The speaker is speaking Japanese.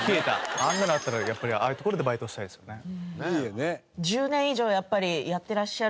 あんなのあったらやっぱりああいう所でバイトしたいですよね。